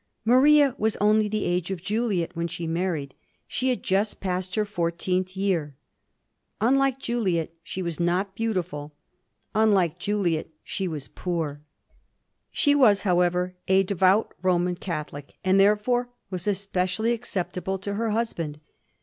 Maria was only the age of Juliet when she married ; she had just passed her fourteenth year. Unlike Juliet she was not beauti ful ; unlike Juliet she was poor. She was, however, A devout Roman Catholic, and therefore was espe cially acceptable to her husband.